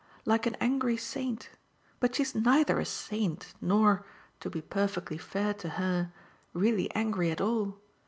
like an angry saint; but she's neither a saint nor, to be perfectly fair to her, really angry at all.